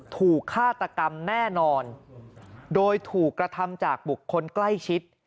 ถูกฆาตกรรมแน่นอนโดยถูกกระทำจากบุคคลใกล้ชิด